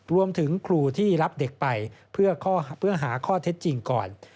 รวมถึงครูที่รับเด็กไปเพื่อหาข้อเท็จจริงก่อน